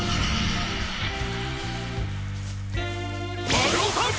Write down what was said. まるおさん！